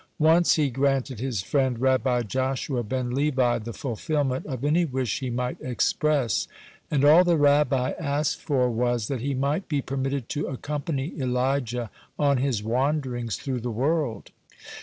Once he granted his friend Rabbi Joshua ben Levi the fulfilment of any wish he might express, and all the Rabbi asked for was, that he might be permitted to accompany Elijah on his wanderings through the world.